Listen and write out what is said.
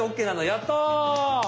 やった！